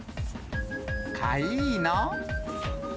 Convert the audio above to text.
かいーの？